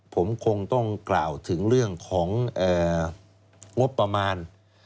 ผมคงต้องกล่าวถึงเรื่องของงบประมาณ